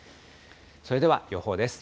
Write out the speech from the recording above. それでは予報です。